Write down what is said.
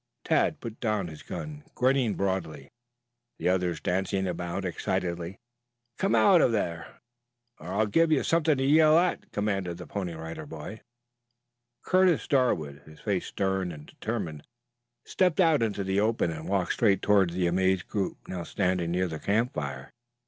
Tad put down his gun, grinning broadly, the others dancing about excitedly. [Illustration: Curtis Darwood Stepped Out.] "Come out of that or I'll give you something to yell at," commanded the Pony Rider Boy. Curtis Darwood, his face stern and determined, stepped out into the open and walked straight towards the amazed group now standing near the campfire.